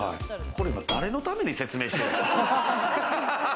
これ今誰のために説明してる？